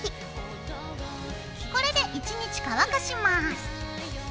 これで１日乾かします。